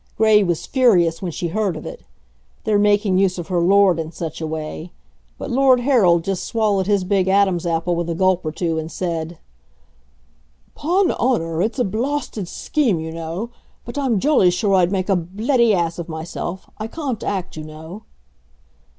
Gray was furious when she heard of it their making use of her Lord in such a way but Lord Harold just swallowed his big Adam's apple with a gulp or two, and said: "'Pon honor, it's a blawsted scheme, you know; but I'm jolly sure I'd make a bleddy ass of myself. I cawn't act, you know."